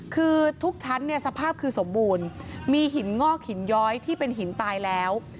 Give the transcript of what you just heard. คือทุกชั้นเนี่ยสภาพคือสมบูรณ์มีหินงอกหินย้อยที่เป็นหินตายแล้ว